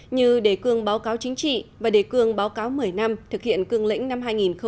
như đề cương báo cáo chính trị và đề cương báo cáo một mươi năm thực hiện cương lĩnh năm hai nghìn một mươi một